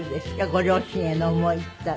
ご両親への思いっていったら。